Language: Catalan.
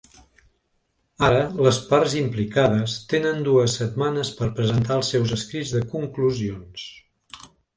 Ara les parts implicades tenen dues setmanes per presentar els seus escrits de conclusions.